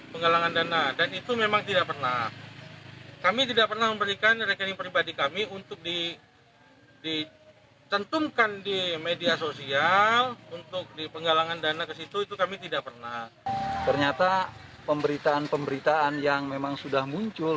pemberitaan pemberitaan yang memang sudah muncul